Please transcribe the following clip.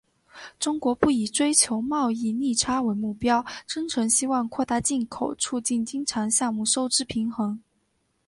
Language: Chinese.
中国不以追求贸易逆差为目标，真诚希望扩大进口，促进经常项目收支平衡。